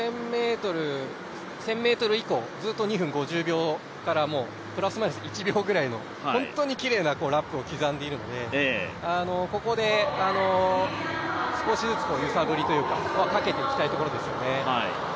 １０００ｍ以降、ずっと２分５０秒からプラス・マイナス１秒ぐらいの本当にきれいなラップを刻んでいるのでここで少しずつ揺さぶりはかけていきたいところですよね。